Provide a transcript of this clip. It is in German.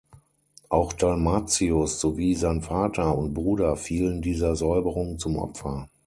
Auch Dalmatius sowie sein Vater und Bruder fielen dieser Säuberung zum Opfer.